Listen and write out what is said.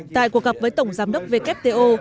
tại cuộc gặp với tổng giám đốc wto